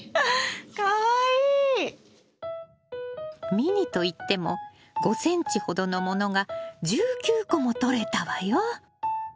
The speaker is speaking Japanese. ミニといっても５ｃｍほどのものが１９個もとれたわよ。